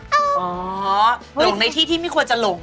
อ๋อหลงในที่ต้องไม่ควรจะหลง